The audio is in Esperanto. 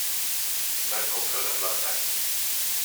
Memkompreneble ne.